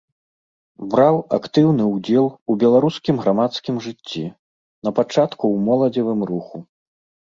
Браў актыўны ўдзел у беларускім грамадскім жыцці, напачатку ў моладзевым руху.